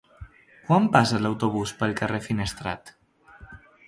Quan passa l'autobús pel carrer Finestrat?